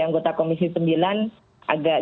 anggota komisi sembilan agak